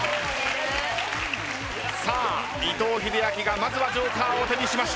さあ伊藤英明がまずはＪＯＫＥＲを手にしました。